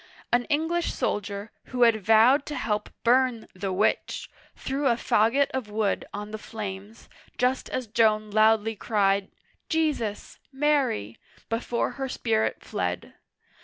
An English soldier, who had vowed to help bum " the witch," threw a fagot of wood on the flames, just as Joan loudly cried, "Jesus! Mary!*' before her spirit fled.